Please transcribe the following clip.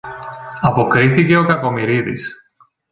αποκρίθηκε ο Κακομοιρίδης.